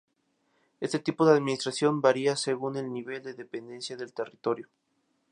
Este tipo de administración varía según el nivel de dependencia del territorio.